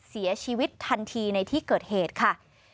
เสียชีวิตทันทีในที่เกิดเหตุค่ะ